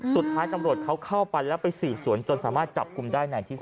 สุดท้ายตำรวจเขาเข้าไปแล้วไปสืบสวนจนสามารถจับกลุ่มได้ในที่สุด